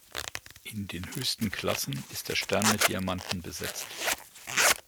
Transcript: In den höchsten Klassen ist der Stern mit Diamanten besetzt.